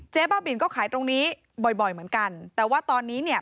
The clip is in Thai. บ้าบินก็ขายตรงนี้บ่อยบ่อยเหมือนกันแต่ว่าตอนนี้เนี่ย